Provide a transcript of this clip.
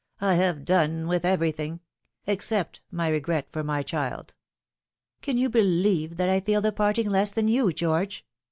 I have done with everything except my regret for my child." "Can you believe that I feel the parting less than you, George